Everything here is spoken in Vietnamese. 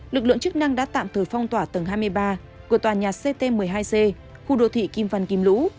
lực lượng chức năng đã tạm thời phong tỏa tầng hai mươi ba của tòa nhà ct một mươi hai c khu đô thị kim văn kim lũ